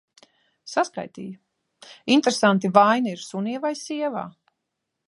Saskaitīju. Interesanti – vaina ir sunī vai sievā?